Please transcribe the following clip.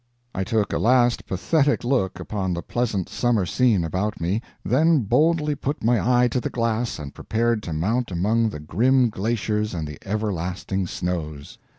I took a last pathetic look upon the pleasant summer scene about me, then boldly put my eye to the glass and prepared to mount among the grim glaciers and the everlasting snows.